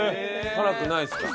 辛くないですか？